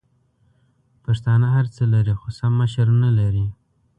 پښتانه هرڅه لري خو سم مشر نلري!